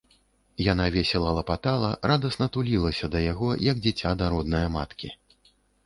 Яна весела лапатала, радасна тулілася да яго, як дзіця да роднае маткі.